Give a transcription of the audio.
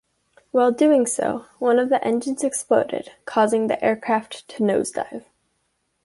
While doing so, one of the engines exploded, causing the aircraft to nosedive.